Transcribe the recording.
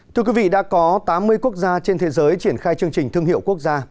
thưa quý vị đã có tám mươi quốc gia trên thế giới triển khai chương trình thương hiệu quốc gia